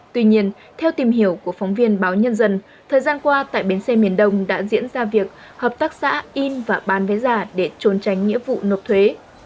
tuy nhiên theo tìm hiểu của phóng viên báo nhân dân thời gian qua tại bến xe miền đông đã diễn ra việc hợp tác xã in và bán vé giả để trốn tránh nghĩa vụ nộp thuế